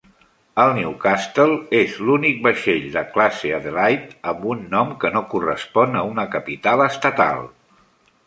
El "Newcastle" és l'únic vaixell de classe "Adelaide" amb un nom que no correspon a una capital estatal.